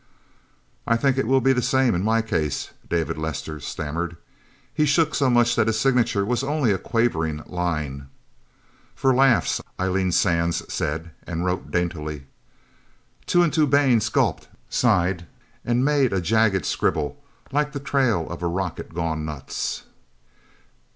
"I think it will be the same in my case," David Lester stammered. He shook so much that his signature was only a quavering line. "For laughs," Eileen Sands said, and wrote daintily. Two and Two Baines gulped, sighed, and made a jagged scribble, like the trail of a rocket gone nuts.